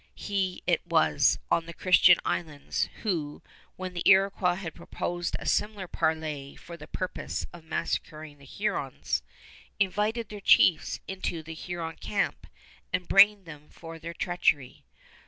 He it was, on the Christian Islands, who, when the Iroquois had proposed a similar parley for the purpose of massacring the Hurons, invited their chiefs into the Huron camp and brained them for their treachery.